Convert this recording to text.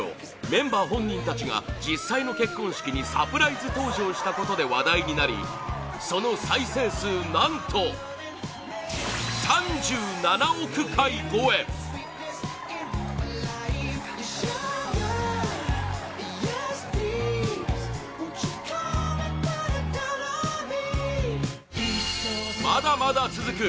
メンバー本人たちが実際の結婚式にサプライズ登場したことで話題になりその再生数何と３７億回超えまだまだ続く！